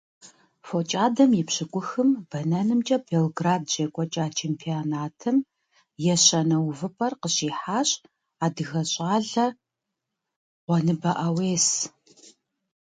ФокӀадэм и пщӀыкӀухым бэнэкӀэмкӀэ Белград щекӀуэкӀа чемпионатым ещанэ увыпӀэр къыщихьащ адыгэ щӀалэ Гъуэныбэ Ӏэуес.